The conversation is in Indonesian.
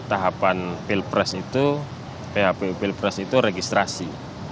tahapan pilpres itu phpu pilpres itu registrasi